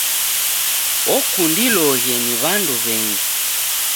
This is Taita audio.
Okundiloghe ni w'andu w'engi.